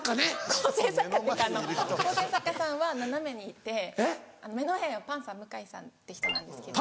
構成作家というか構成作家さんは斜めにいて目の前はパンサー・向井さんっていう人なんですけど。